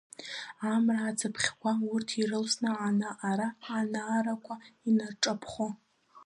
Амра ацԥхьқәа урҭ ирылсны, ана-ара анаарақәа инарҿаԥхон.